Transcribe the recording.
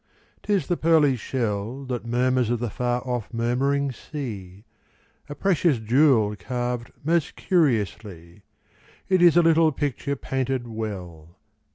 T is the pearly shell That mormnrs of the f ar o£P murmuring sea ; A precious jewel carved most curiously ; It is a little picture painted well.